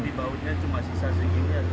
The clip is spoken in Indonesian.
jadi baunya cuma sisa segini